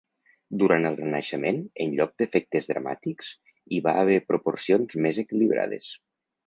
Durant el Renaixement, en lloc d’efectes dramàtics, hi va haver proporcions més equilibrades.